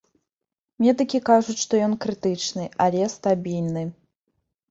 Медыкі кажуць, што ён крытычны, але стабільны.